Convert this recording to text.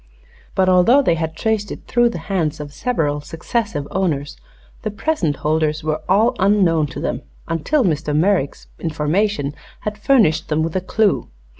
But although they had traced it through the hands of several successive owners the present holders were all unknown to them until Mr. Merrick's information had furnished them with a clue.